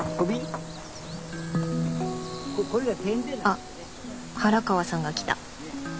あっ原川さんが来た。